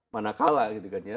mana kalah gitu kan ya